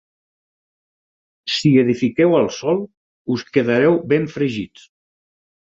Si edifiqueu al sol, us quedareu ben fregits!